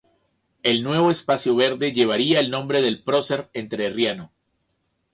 El nuevo espacio verde llevaría el nombre del prócer entrerriano.